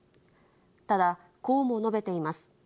ただ、こうも述べています。